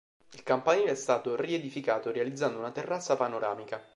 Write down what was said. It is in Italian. Il campanile è stato riedificato, realizzando una terrazza panoramica.